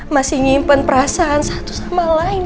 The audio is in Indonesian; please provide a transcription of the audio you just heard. masih nyimpen perasaan satu sama lain